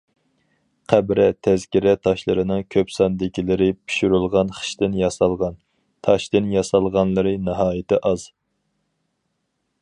قەبرە تەزكىرە تاشلىرىنىڭ كۆپ ساندىكىلىرى پىشۇرۇلغان خىشتىن ياسالغان، تاشتىن ياسالغانلىرى ناھايىتى ئاز.